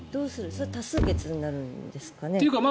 それは多数決になるんですかね。